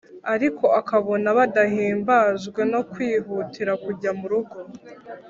ariko akabona badahimbajwe no kwihutira kujya mu rugo.